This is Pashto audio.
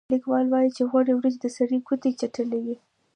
لیکوال وايي چې غوړې وریجې د سړي ګوتې چټلوي.